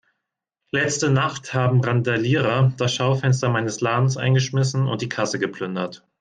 Letzte Nacht haben Randalierer das Schaufenster meines Ladens eingeschmissen und die Kasse geplündert.